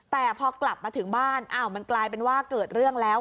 แต่พอกลับมาถึงบ้านอ้าวมันกลายเป็นว่าเกิดเรื่องแล้ว